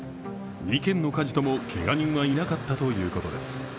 ２件の火事とも、けが人はいなかったということです。